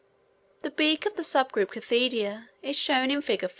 The beak of the sub group Certhidea, is shown in Fig.